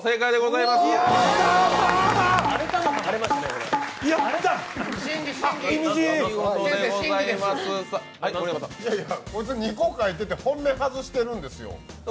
いやいや、こいつ２個書いてて本命外してるんですよ。